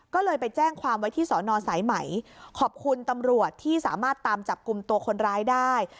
ก็เลยไปแจ้งความไว้ที่สอนอสายไหมขอบคุณตำรวจที่สามารถตามจับกลุ่มตัวคนร้ายได้